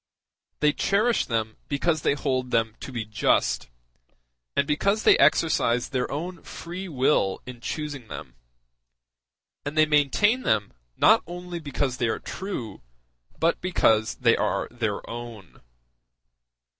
They cherish them because they hold them to be just, and because they exercised their own free will in choosing them; and they maintain them not only because they are true, but because they are their own.